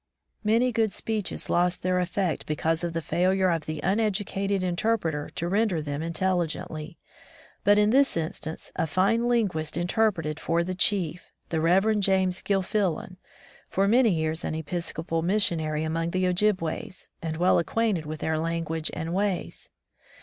Many good speeches lost their effect be cause of the failure of the uneducated inter preter to render them intelligently, but in this instance a fine linguist interpreted for the chief, the Rev. James GilfiUan, for many years an Episcopal missionary among the Ojibways and well acquainted with their language and ways.